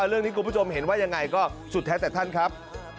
เรื่องนี้กลุ่มผู้ชมเห็นว่ายังไงก็สุดแท้แต่ท่านครับ